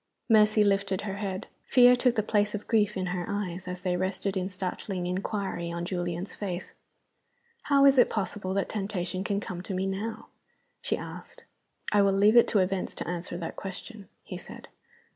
Mercy lifted her head. Fear took the place of grief in her eyes, as they rested in startled inquiry on Julian's face. "How is it possible that temptation can come to me now?" she asked. "I will leave it to events to answer that question," he said.